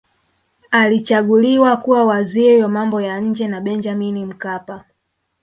alichaguliwa kuwa waziri wa mambo ya nje na benjamini mkapa